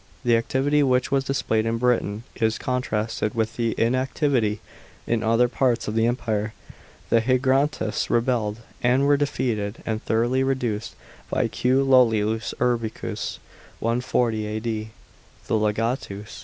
§ 4. The activity which was displayed in Britain is contrasted with the inactivity in other parts of the Empire. The Hrigantes rebelled, and were defeated and thoroughly reduced by Q. Lollius Urbicus (140 A.D.), the legatus.